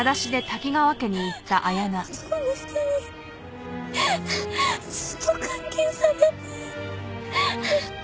男の人にずっと監禁されて。